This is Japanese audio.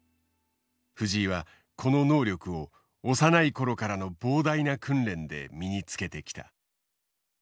藤井はこの能力を幼い頃からの膨大な訓練で身につけてきた。